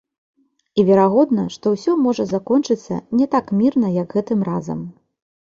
І верагодна, што ўсё можа закончыцца не так мірна, як гэтым разам.